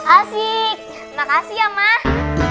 asik makasih ya mah